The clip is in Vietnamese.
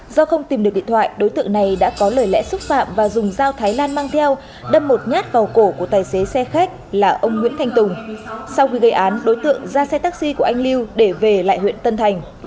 vũ đã xúc phạm và dùng dao thái lan mang theo đâm một nhát vào cổ của tài xế xe khách là ông nguyễn thanh tùng sau khi gây án đối tượng ra xe taxi của anh lưu để về lại huyện tân thành